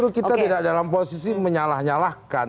itu kita tidak dalam posisi menyalah nyalahkan